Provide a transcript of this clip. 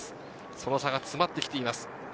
その差が詰まってきています。